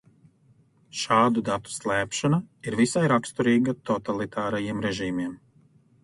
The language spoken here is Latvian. Šādu datu slēpšana ir visai raksturīga totalitārajiem režīmiem.